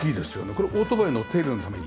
これオートバイの手入れのために？